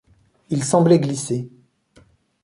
Il semblait glisser.